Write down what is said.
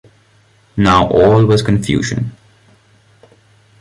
Now all was confusion.